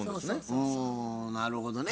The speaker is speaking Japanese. なるほどね。